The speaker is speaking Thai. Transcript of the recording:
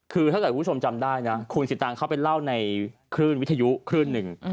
คือถ้าเกิดคุณชมจำได้คุณสิตางเขาไปเล่าในวิทยุขึ้นหนึ่ง